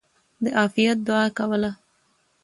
د عافيت دعاء کوله!!.